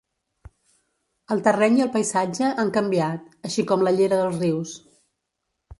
El terreny i el paisatge han canviat, així com la llera dels rius.